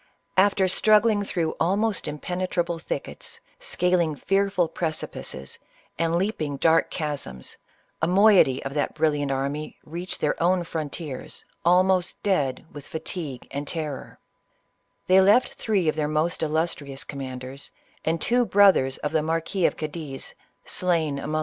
After struggling through almost impenetrable thickets, scaling frightful precipices and leaping dark chasms, a moiety of that brilliant army reached their own frontiers, almost dead with fatigue and terror, 'fhey left three of their most illustrious commanders, and two brothers of the Marquis of Cadiz, slain among 92 ISABELLA OF CASTILE.